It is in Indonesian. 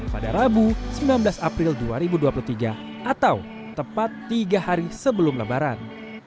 pada rabu sembilan belas april dua ribu dua puluh tiga atau tepat tiga hari sebelum lebaran